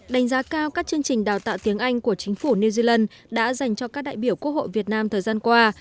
đánh giá cao các chương trình đào tạo tiếng anh của chính phủ new zealand đã dành cho các đại biểu quốc hội việt nam thời gian qua